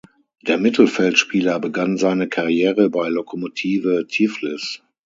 Der Mittelfeldspieler begann seine Karriere bei Lokomotive Tiflis.